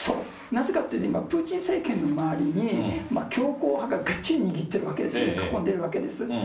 なぜかというと、プーチン政権の周りに強硬派ががっちり握ってるわけですね、囲んでるわけです。